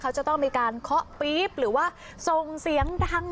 เขาจะต้องมีการเคาะปี๊บหรือว่าส่งเสียงดัง